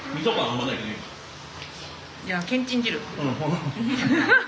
じゃあけんちん汁。